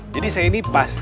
jadi saya ini pas